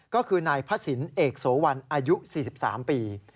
ก็คือนายพระศิลปเอกโสวันอายุ๔๓ปี